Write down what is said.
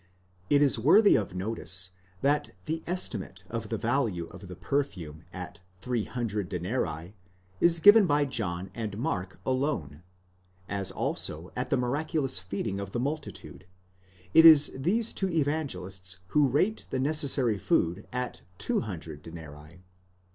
It is worthy of notice, that the estimate of the value of the perfume at 300 denarii, is given by John and Mark alone ; as also at the miraculous feeding of the multitude, it is these two Evangelists who rate the necessary food at 200 denarii.